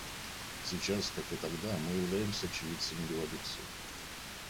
Сейчас, как и тогда, мы являемся очевидцами революции.